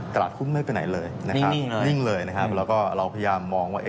ตลาดหุ้นไม่เป็นไหนเลยนิ่งเลยแล้วก็เราพยายามมองว่า